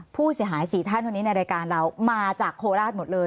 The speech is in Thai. ผู้เสียหาย๔ท่านวันนี้ในรายการเรามาจากโคราชหมดเลย